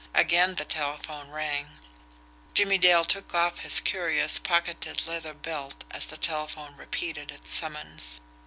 Again the telephone rang. Jimmie Dale took off his curious, pocketed leather belt as the telephone repeated its summons.